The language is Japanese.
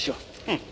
うん。